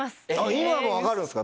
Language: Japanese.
今はもう分かるんすか？